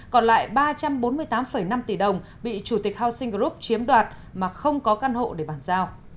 còn lại ba trăm bốn mươi tám năm tỷ đồng bị chủ tịch housing group chiếm đoạt mà không có căn hộ để bàn giao